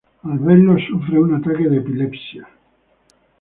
Al verlos, sufre un ataque de epilepsia.